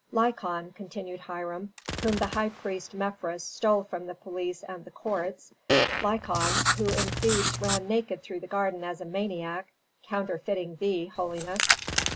"Lykon," continued Hiram, "whom the high priest Mefres stole from the police and the courts Lykon, who in Thebes ran naked through the garden as a maniac, counterfeiting thee, holiness."